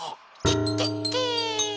ケッケッケ。